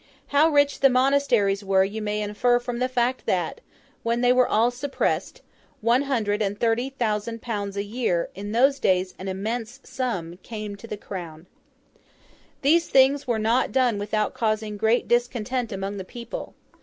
How rich the monasteries were you may infer from the fact that, when they were all suppressed, one hundred and thirty thousand pounds a year—in those days an immense sum—came to the Crown. These things were not done without causing great discontent among the people.